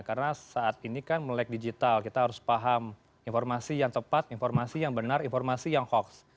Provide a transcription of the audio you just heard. karena saat ini kan melek digital kita harus paham informasi yang tepat informasi yang benar informasi yang hoax